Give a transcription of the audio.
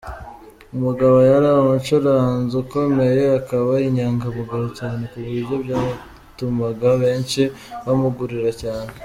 Umugabo yari umucuruzi ukomeye, akaba inyangamugayo cyane kuburyo byatumaga benshi bamugurira cyane.